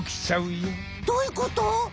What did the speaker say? どういうこと？